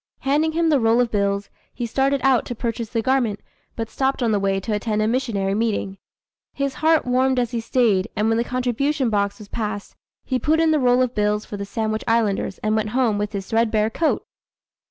Handing him the roll of bills, he started out to purchase the garment, but stopped on the way to attend a missionary meeting. His heart warmed as he stayed, and when the contribution box was passed, he put in the roll of bills for the Sandwich Islanders, and went home with his threadbare coat!